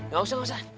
gak usah gak usah